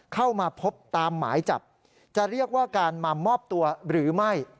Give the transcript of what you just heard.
เข้ามาพบตามหมายจับจะเรียกว่าการมามอบตัวหรือไม่